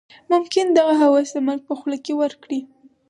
ممکن دغه هوس د مرګ په خوله کې ورکړي.